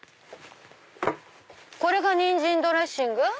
これがにんじんドレッシング？